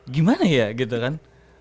gimana ya gitu kan